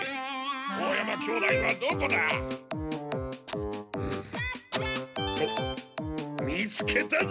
大山兄弟はどこだ？あっ見つけたぞ！